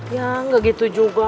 ya gak gitu juga